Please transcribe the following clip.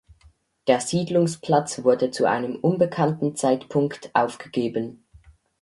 Der Siedlungsplatz wurde zu einem unbekannten Zeitpunkt aufgegeben.